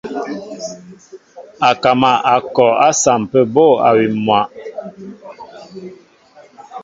Akama a kɔ a sampə bô awim myǎ.